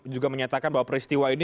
juga menyatakan bahwa peristiwa ini